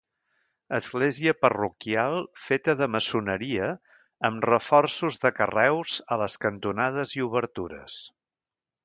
Església parroquial feta de maçoneria amb reforços de carreus a les cantonades i obertures.